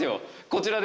こちら。